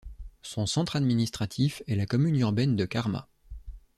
Son centre administratif est la commune urbaine de Karma.